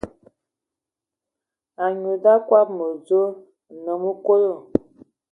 Anyu ya kɔbɔ mədzo, nnəm okodo.